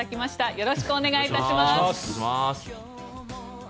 よろしくお願いします。